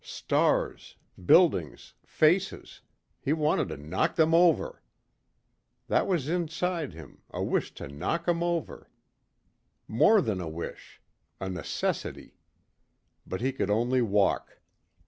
Stars, buildings, faces he wanted to knock them over. That was inside him, a wish to knock 'em over. More than a wish. A necessity. But he could only walk.